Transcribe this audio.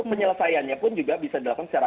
penyelesaiannya pun juga bisa dilakukan secara